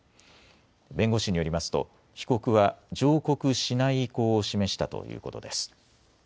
弁護士によりますと被告は上告しない意向を示したということです。